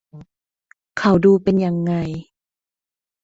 เขาดูเป็นยังไง